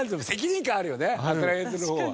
働いてる方は。